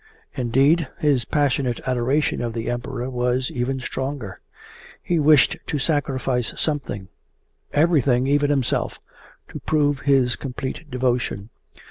Indeed, his passionate adoration of the Emperor was even stronger: he wished to sacrifice something everything, even himself to prove his complete devotion.